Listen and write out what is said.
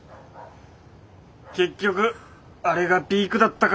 結局あれがピークだったか。